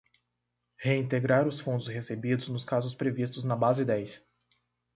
Reintegrar os fundos recebidos nos casos previstos na base dez.